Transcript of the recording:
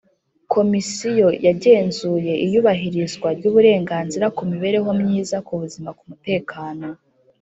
Komisiyo yagenzuye iyubahirizwa ry uburenganzira ku mibereho myiza ku buzima ku mutekano